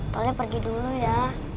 tolnya pergi dulu ya